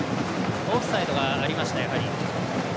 オフサイドがありました。